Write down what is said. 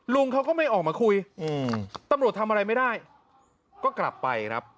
ลุงเขาก็ไม่ออกมาคุยตำรวจทำอะไรไม่ได้ก็กลับไปครับ